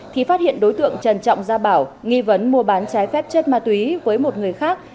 thì phát hiện đối tượng trần trọng gia bảo nghi vấn mua bán trái phép chất ma túy với một người khác